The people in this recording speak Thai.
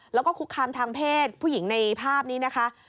แล้วก็คุกคามทางเพศผู้หญิงในภาพนี้นะคะ